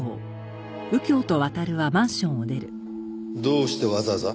どうしてわざわざ？